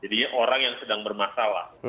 jadinya orang yang sedang bermasalah